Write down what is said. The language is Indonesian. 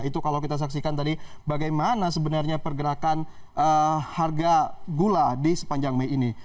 itu kalau kita saksikan tadi bagaimana sebenarnya pergerakan harga gula di sepanjang mei ini